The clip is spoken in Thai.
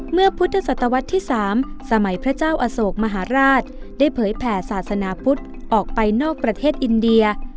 เมื่อพุทธศตวรรษที่๓สมัยพระเจ้าอโศกมหาราชได้เผยแผ่ศาสนาพุทธออกไปนอกประเทศอินเดีย